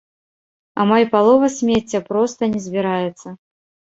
Амаль палова смецця проста не збіраецца.